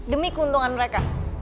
demi keuntungan mereka